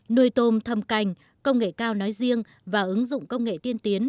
nuôi tôm thâm canh công nghệ cao nói riêng và ứng dụng công nghệ tiên tiến